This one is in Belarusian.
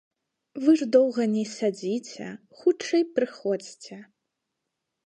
Вы ж доўга не сядзіце, хутчэй прыходзьце.